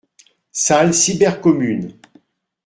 Salle cybercommune.